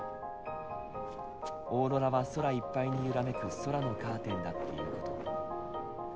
オーロラは空いっぱいに揺らめく空のカーテンだっていうこと。